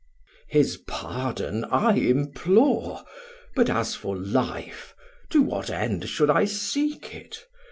520 Sam: His pardon I implore; but as for life, To what end should I seek it?